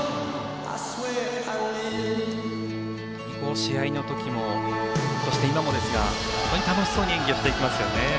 試合の時もそして、今もですが本当に楽しそうに演技をしていきますよね。